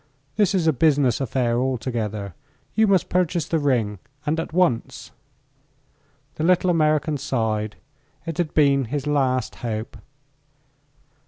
"This is a business affair altogether. You must purchase the ring, and at once." The little American sighed. It had been his last hope.